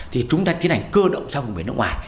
thì chúng ta tiến hành cơ động sang vùng biển nước ngoài